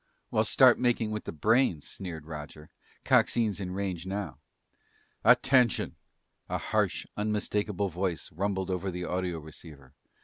"Well, start making with the brains," sneered Roger. "Coxine's in range now." "Attention " A harsh unmistakable voice rumbled over the audioceiver.